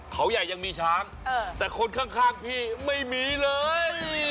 เขาใหญ่ยังมีช้างแต่คนข้างพี่ไม่มีเลย